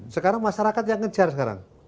sekarang masyarakat yang ngejar sekarang